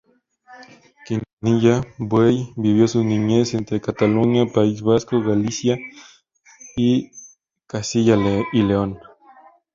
Quintanilla Buey vivió su niñez entre Cataluña, País Vasco, Galicia y Castilla y León.